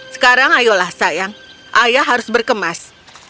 sekarang ayolah sayang ayah harus berkemas